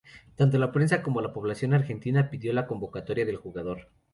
Tanto la prensa como la población argentina pidió la convocatoria del jugador.